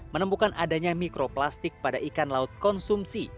menemukan adanya mikroplastik pada ikan laut konsumsi